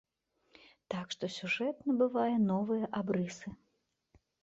Так што сюжэт набывае новыя абрысы.